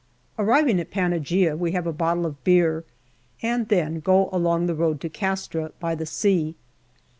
Arriving at Panaghia, we have a bottle of beer, and then go on along the road to Castra, by the sea.